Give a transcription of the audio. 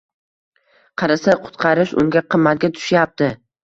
Qarasa qutqarish unga qimmatga tushyapti.